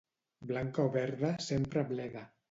Blanca o verda, sempre bleda.